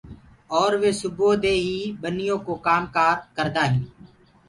اور وي سُبوئو دي هي ٻنيو ڪو ڪآم ڪآر ڪردآ هينٚ